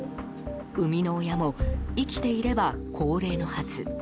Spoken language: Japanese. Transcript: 生みの親も生きていれば高齢のはず。